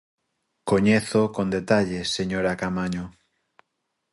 Coñézoo con detalle, señora Caamaño.